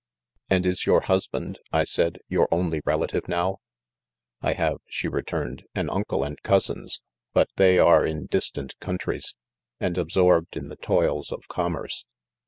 " And is your husband I said, " your only relative now V "I have," she returned, " an uncle and cousins ; but they are in distant countries, and absorbed in the toils of commerce.